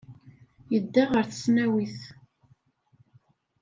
Yedda ɣer tesnawit.